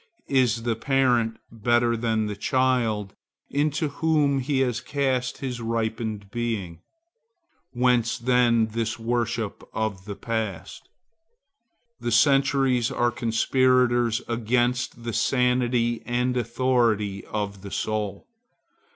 Is the parent better than the child into whom he has cast his ripened being? Whence then this worship of the past? The centuries are conspirators against the sanity and authority of the soul.